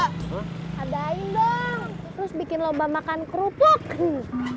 hadain dong terus bikin lomba makan kerupuk nih